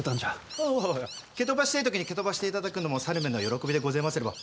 おお蹴飛ばしてぇ時に蹴飛ばしていただくのも猿めの喜びでごぜますれば。